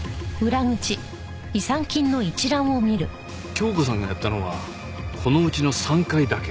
杏子さんがやったのはこのうちの３回だけ。